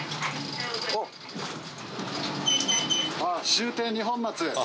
終点二本松。